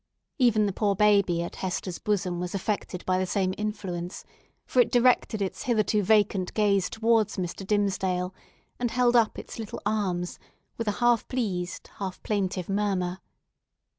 Even the poor baby at Hester's bosom was affected by the same influence, for it directed its hitherto vacant gaze towards Mr. Dimmesdale, and held up its little arms with a half pleased, half plaintive murmur.